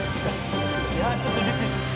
ちょっとびっくりした。